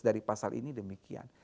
dari pasal ini demikian